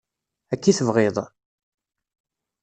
Akka i tebɣiḍ?